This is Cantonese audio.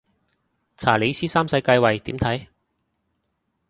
查理斯三世繼位點睇